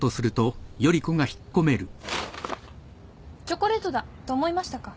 チョコレートだと思いましたか？